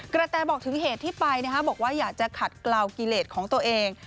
กระแตบอกถึงเหตุที่ไปบอกว่าอยากจะขัดกล่าวกิเลสของตัวเอง